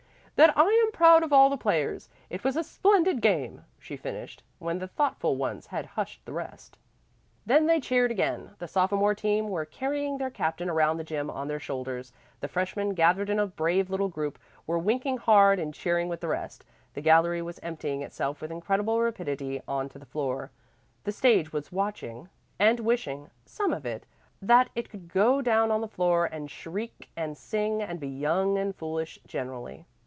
"That I am proud of all the players. It was a splendid game," she finished, when the thoughtful ones had hushed the rest. Then they cheered again. The sophomore team were carrying their captain around the gym on their shoulders; the freshmen, gathered in a brave little group, were winking hard and cheering with the rest. The gallery was emptying itself with incredible rapidity on to the floor. The stage was watching, and wishing some of it that it could go down on the floor and shriek and sing and be young and foolish generally.